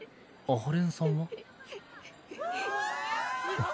阿波連さんは？うわ！